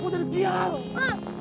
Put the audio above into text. kau sedih sekali ya boy